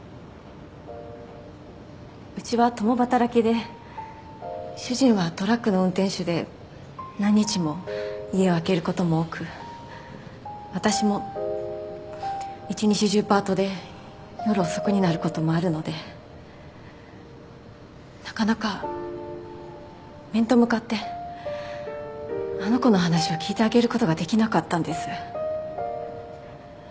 うちは共働きで主人はトラックの運転手で何日も家を空けることも多く私も一日中パートで夜遅くになることもあるのでなかなか面と向かってあの子の話を聞いてあげることができなかったんです。